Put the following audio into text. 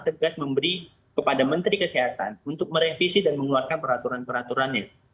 tegas memberi kepada menteri kesehatan untuk merevisi dan mengeluarkan peraturan peraturannya